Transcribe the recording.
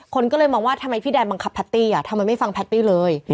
คนก็เลยมองว่าทำไมพี่แดนบังคับแพตตี้อ่ะทำไมไม่ฟังแพตตี้เลย